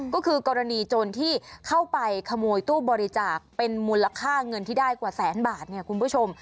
ก็คือกรณีโจรที่เข้าไปขโมยตู้บริจาคเป็นมูลค่าเงินที่ได้กว่าแสนบาทเนี่ยคุณผู้ชม